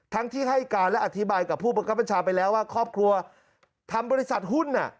ที่ให้การและอธิบายกับผู้บังคับบัญชาไปแล้วว่าครอบครัวทำบริษัทหุ้น